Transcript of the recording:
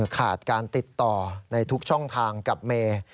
ขาดการติดต่อในทุกช่องทางกับเมย์